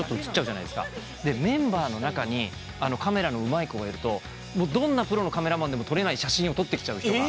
メンバーの中にカメラのうまい子がいるとどんなプロのカメラマンでも撮れない写真を撮ってきちゃう人が。